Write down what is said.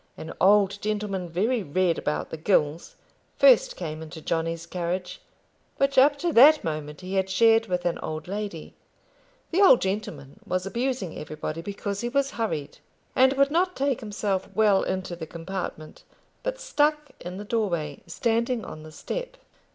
An old gentleman, very red about the gills, first came into Johnny's carriage, which up to that moment he had shared with an old lady. The old gentleman was abusing everybody, because he was hurried, and would not take himself well into the compartment, but stuck in the doorway, standing on the step.